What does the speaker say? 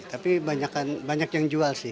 tapi banyak yang jual sih